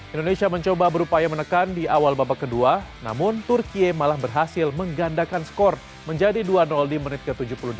indonesia mencoba berupaya menekan di awal babak kedua namun turkiye malah berhasil menggandakan skor menjadi dua di menit ke tujuh puluh delapan